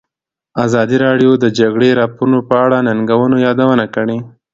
ازادي راډیو د د جګړې راپورونه په اړه د ننګونو یادونه کړې.